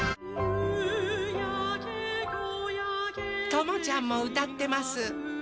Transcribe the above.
ともちゃんもうたってます。